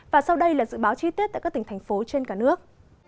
và sau đây là dự báo chi tiết tại các tỉnh thành phố trên cả nước